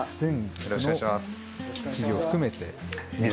よろしくお願いします。